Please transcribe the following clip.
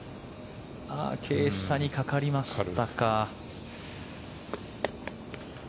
傾斜にかかりましたか。